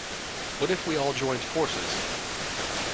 What if we all joined forces?